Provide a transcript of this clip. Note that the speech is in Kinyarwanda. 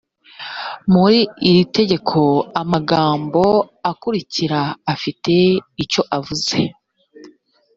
muri iri tegeko amagambo akurikira afite icyo avuze